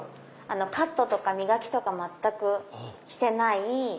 カットとか磨きとか全くしてない。